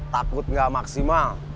takut gak maksimal